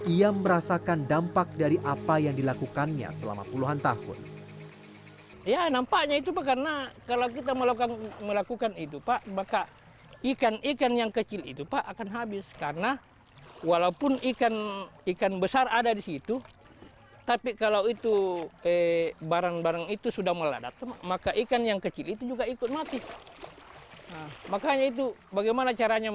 ia merasakan dampak dari apa yang dilakukannya selama puluhan tahun